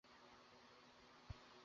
তিনি বাড়ি ফিরে যেতে বাধ্য হন।